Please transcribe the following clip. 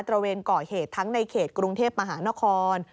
ระเวนก่อเหตุทั้งในเขตกรุงเทพมหานคร